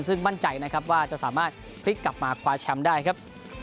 ซึ่งมั่นใจนะครับว่าจะสามารถพลิกกลับมาคว้าแชมป์ได้ครับ